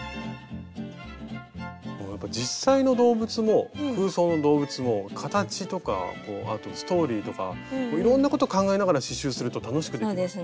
やっぱ実際の動物も空想の動物も形とかあとストーリーとかいろんなこと考えながら刺しゅうすると楽しくできます。